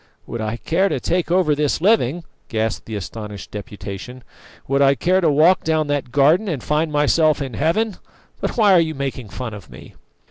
"Would I care to take over this living?" gasped the astonished Deputation. "Would I care to walk down that garden and find myself in Heaven? But why are you making fun of me?"